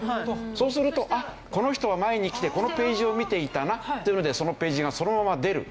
そうするとこの人は前に来てこのページを見ていたなっていうのでそのページがそのまま出る。